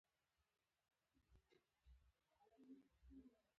په لوی ننګرهار کې اوسنی ننګرهار شامل و.